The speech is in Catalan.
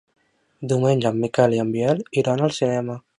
Diumenge en Miquel i en Biel iran al cinema.